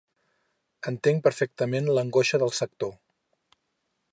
Entenc perfectament l’angoixa del sector.